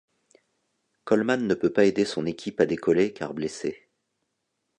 Coleman ne peut pas aider son équipe à décoller, car blessé.